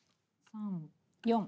３４。